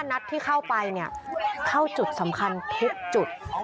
นัดที่เข้าไปเนี่ยเข้าจุดสำคัญทุกจุด